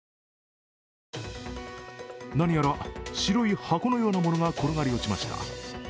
何やら白い箱のようなものが転がり落ちました。